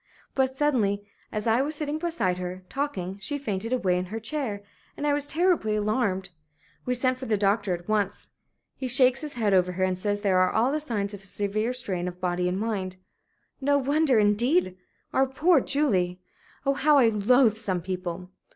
But suddenly, as I was sitting beside her, talking, she fainted away in her chair, and I was terribly alarmed. We sent for a doctor at once. He shakes his head over her, and says there are all the signs of a severe strain of body and mind. No wonder, indeed our poor Julie! Oh, how I loathe some people!